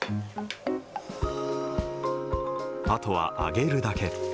あとは揚げるだけ。